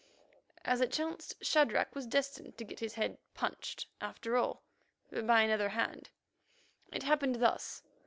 As it chanced, Shadrach was destined to get his head "punched" after all, but by another hand. It happened thus.